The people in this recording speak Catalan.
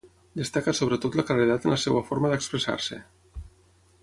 Destaca sobretot la claredat en la seva forma d'expressar-se.